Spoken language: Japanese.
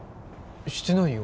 してないよ